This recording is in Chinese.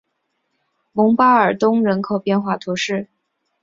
蒙巴尔东人口变化图示